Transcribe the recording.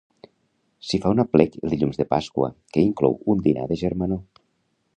S'hi fa un aplec el Dilluns de Pasqua que inclou un dinar de germanor.